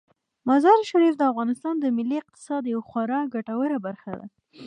مزارشریف د افغانستان د ملي اقتصاد یوه خورا ګټوره برخه ده.